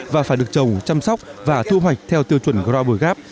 và phải được trồng chăm sóc và thu hoạch theo tiêu chuẩn grober gap